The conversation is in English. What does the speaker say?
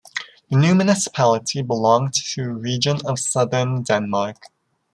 The new municipality belong to Region of Southern Denmark.